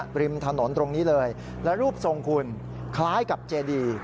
ริมถนนตรงนี้เลยและรูปทรงคุณคล้ายกับเจดี